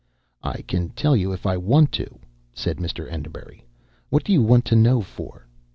"I can tell you if I want to," said Mr. Enderbury. "What do you want to know for?"